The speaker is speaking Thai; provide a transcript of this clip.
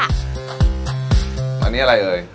อันนี้อะไรเอ่ย